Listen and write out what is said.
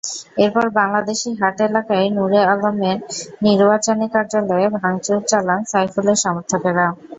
এরপর বাংলাদেশ হাট এলাকায় নূরে আলমের নির্বাচনী কার্যালয়ে ভাঙচুর চালান সাইফুলের সমর্থকেরা।